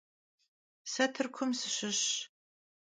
Se Tırkum sışışş.